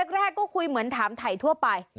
แรกก็คุยเหมือนถามถ่ายทั่วไป